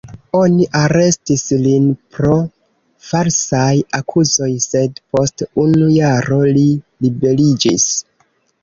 Oni arestis lin pro falsaj akuzoj, sed post unu jaro li liberiĝis.